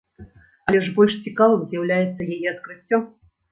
Але ж больш цікавым з'яўляецца яе адкрыццё.